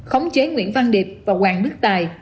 khống chế nguyễn văn điệp và hoàng đức tài